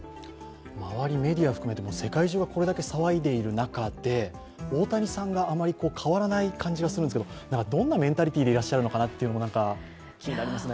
周り、メディア含めて世界中がこれだけ騒いでいる中で大谷さんがあまり変わらない感じがするんですけどどんなメンタリティーでいらっしゃるのか気になりますね。